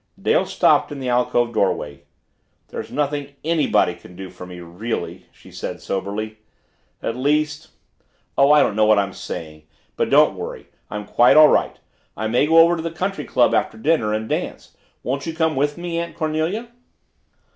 Dale stopped in the alcove doorway. "There's nothing anybody can do for me, really," she said soberly. "At least oh, I don't know what I'm saying! But don't worry. I'm quite all right. I may go over to the country club after dinner and dance. Won't you come with me, Aunt Cornelia?"